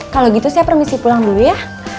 kalau gitu saya permisi pulang dulu ya